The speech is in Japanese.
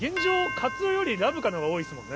カツオよりラブカのほうが多いですもんね。